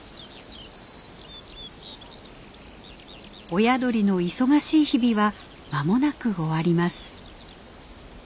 親鳥の忙しい日々はまもなく終わります。